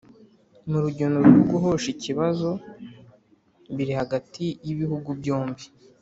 mu rugendo rwo guhosha ikibazo biri hagati y’ibihugu byombi